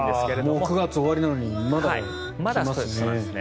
もう９月終わりなのにまだ来ますね。